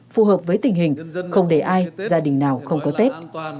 phù hợp với tình hình không để ai gia đình nào không có tết